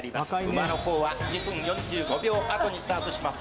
馬の方は２分４５秒あとにスタートします